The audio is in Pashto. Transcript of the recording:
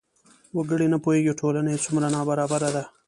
وګړي نه پوهېږي ټولنه یې څومره نابرابره ده.